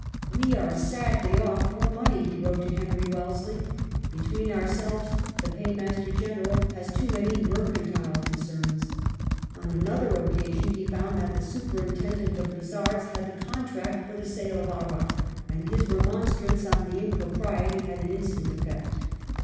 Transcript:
"We are sadly off for money," he wrote to Henry Wellesley. " Between ourselves, the l^aymaster General has too many mercantile concerns." On another occasion he found that the Superintendent of Bazaars had the contract for the sale of arrack, and his remonstrance on the impropriety had an instant effect.